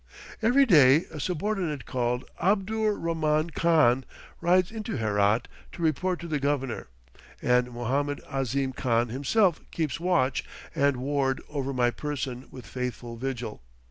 Every day a subordinate called Abdur Rahman Khan rides into Herat to report to the Governor, and Mohammed Ahzim Khan himself keeps watch and ward over my person with faithful vigil.